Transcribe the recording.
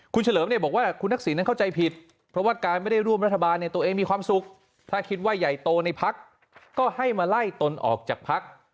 คุณเฉลิมเนี่ยบอกว่าคุณทักษิณนั้นเข้าใจผิดเพราะว่าการไม่ได้ร่วมรัฐบาลเนี่ยตัวเองมีความสุขถ้าคิดว่าใหญ่โตในพักก็ให้มาไล่ตนออกจากพัก